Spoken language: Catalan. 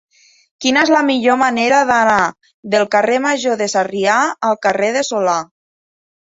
Quina és la millor manera d'anar del carrer Major de Sarrià al carrer de Solà?